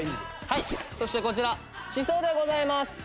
はいそしてこちらしそでございます。